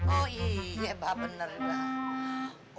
oh iya pak bener mbak